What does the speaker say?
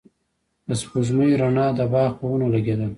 د سپوږمۍ رڼا د باغ په ونو لګېدله.